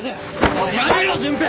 おいやめろ純平！